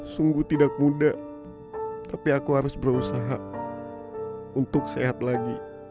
sungguh tidak mudah tapi aku harus berusaha untuk sehat lagi